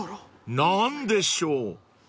［何でしょう？］